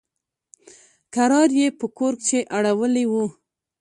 کرار يې په کور کښې اړولي وو.